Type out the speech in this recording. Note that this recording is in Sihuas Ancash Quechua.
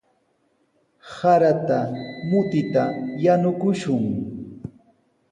Sarata mutita yanukushun.